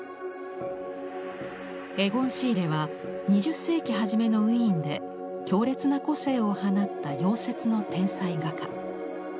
エゴン・シーレは２０世紀初めのウィーンで強烈な個性を放った夭折の天才画家。